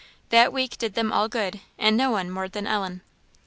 That week did them all good, and no one more than Ellen.